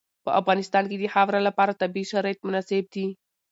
په افغانستان کې د خاوره لپاره طبیعي شرایط مناسب دي.